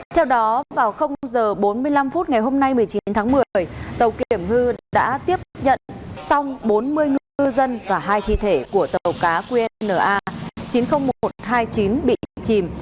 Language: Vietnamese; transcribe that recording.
theo đó vào h bốn mươi năm phút ngày hôm nay một mươi chín tháng một mươi tàu kiểm ngư đã tiếp nhận xong bốn mươi ngư dân và hai thi thể của tàu cá qnna chín mươi nghìn một trăm hai mươi chín bị chìm